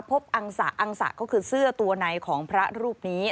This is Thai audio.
อังสะอังสะก็คือเสื้อตัวในของพระรูปนี้